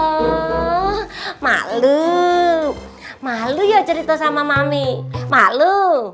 oh malu malu ya cerita sama mami malu